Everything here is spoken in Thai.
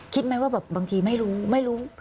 คิดไหมว่าแบบบางทีไม่รู้ไม่รู้